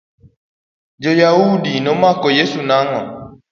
Joyaudi nomako Yeso nang'o?